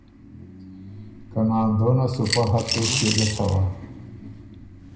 که ناندر سُو پۀ حد توݭکيې ګۀ څوا